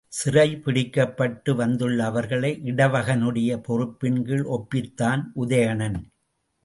சிறைப் பிடிக்கப்பட்டு வந்துள்ள அவர்களை இடவகனுடைய பொறுப்பின்கீழ் ஒப்பித்தான் உதயணன்.